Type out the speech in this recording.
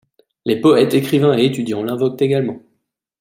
Les poètes, écrivains et étudiants l’invoquent également.